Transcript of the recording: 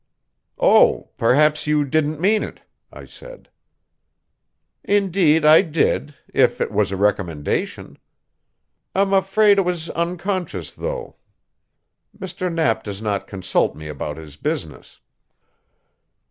"Oh, perhaps you didn't mean it," I said. "Indeed I did, if it was a recommendation. I'm afraid it was unconscious, though. Mr. Knapp does not consult me about his business."